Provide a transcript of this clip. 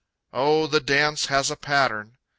Oh the dance has a pattern!